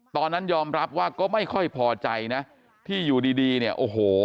ตอนนั้นยอมรับว่าก็ไม่ค่อยพอใจนะที่อยู่ดีดีเนี่ยโอ้โห